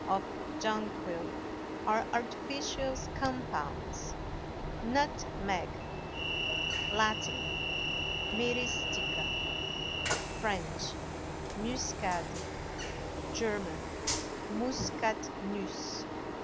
of Jonquil are artificial compounds. NUTMEG. Latin—Myristica; French—Muscade; German—Muscatnüsse.